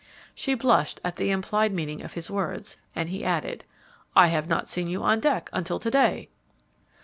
She blushed at the implied meaning of his words, and he added, "I have not seen you on deck until to day."